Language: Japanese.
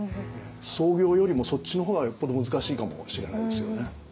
創業よりもそっちの方がよっぽど難しいかもしれないですよね。